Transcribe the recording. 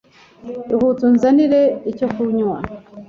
Ihute unzanire icyo kunywa.